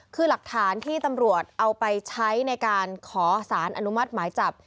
คือหลักฐานที่ตำรวจเอาไปใช้ในการขอสารอนุมัติหมายจับ